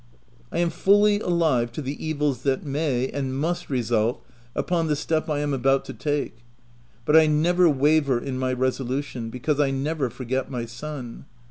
I am fully alive to the evils that may, and must result upon the step I am about to take ; but I never waver in my resolution, because I never forget my son.